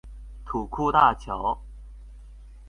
土庫大橋